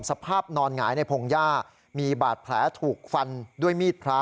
สภาพนอนหงายในพงหญ้ามีบาดแผลถูกฟันด้วยมีดพระ